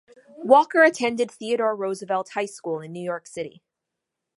Walker attended Theodore Roosevelt High School in New York City.